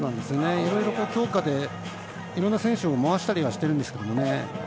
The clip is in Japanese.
いろいろと強化でいろんな選手を回したりはしてるんですけどね。